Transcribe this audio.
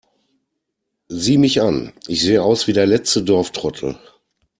Sieh mich an, ich sehe aus wie der letzte Dorftrottel!